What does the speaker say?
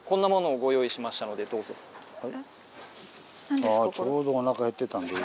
あちょうどおなか減ってたんで今。